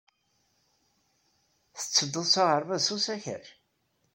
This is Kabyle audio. Tettedduḍ s aɣerbaz s usakac?